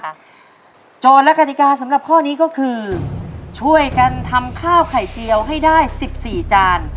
โจทย์และกติกาสำหรับข้อนี้ก็คือช่วยกันทำข้าวไข่เจียวให้ได้๑๔จาน